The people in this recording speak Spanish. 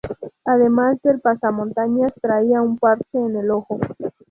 Además del pasamontañas, traía un parche en un ojo.